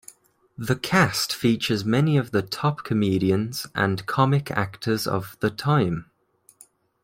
The cast features many of the top comedians and comic actors of the time.